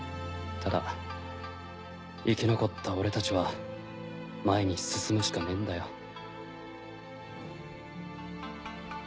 ただ生き残った俺たちは前に進むしかねぇんだよ。